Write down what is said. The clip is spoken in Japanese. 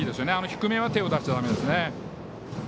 低めは手を出しちゃだめですね。